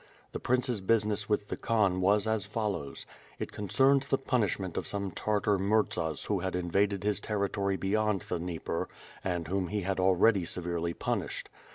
The Prince's business with the Khan was as follows: It concerned the punishment of some Tartar Murzaswhohad invaded his territory beyond the Dnieper, and whom he had already severely punished.